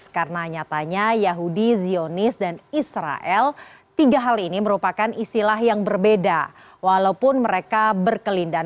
karena nyatanya yahudi zionis dan israel tiga hal ini merupakan istilah yang berbeda walaupun mereka berkelindahan